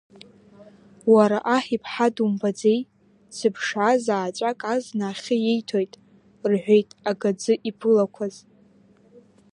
Уара аҳ иԥҳа думбаӡеи, дзыԥшааз ааҵәак азна ахьы ииҭоит, — рҳәеит агаӡы иԥылақәаз.